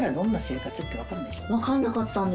分かんなかったんです。